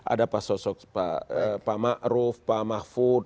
ada sosok pak ma'ruf pak mahfud